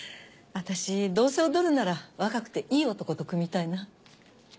私どうせ踊るなら若くていい男と組みたいな。